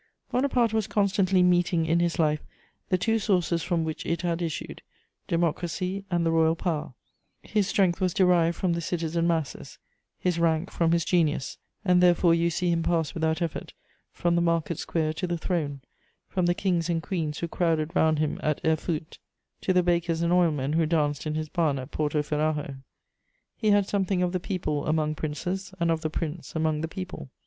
Bonaparte was constantly meeting in his life the two sources from which it had issued: democracy and the royal power; his strength was derived from the citizen masses, his rank from his genius; and therefore you see him pass without effort from the market square to the throne, from the kings and queens who crowded round him at Erfurt to the bakers and oilmen who danced in his barn at Porto Ferrajo. He had something of the people among princes, and of the prince among the people.